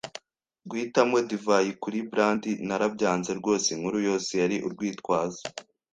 guhitamo divayi kuri brandi, narabyanze rwose. Inkuru yose yari urwitwazo.